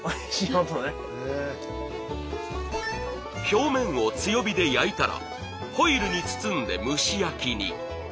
表面を強火で焼いたらホイルに包んで蒸し焼きに。